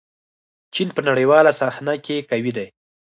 چین په نړیواله صحنه کې قوي دی.